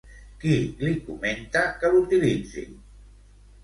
Qui li comenta que l'utilitzi?